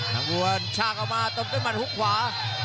งวนชากออกมาตบด้วยหมัดฮุกขวา